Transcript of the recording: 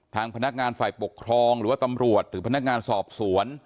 ทางพนักงานฝ่ายปกครองหรือว่าตำรวจหรือพนักงานสอบสวน